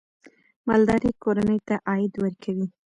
مالداري کورنۍ ته عاید ورکوي.